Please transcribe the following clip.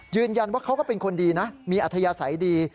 เขาก็เป็นคนดีนะมีอัธยาศัยดี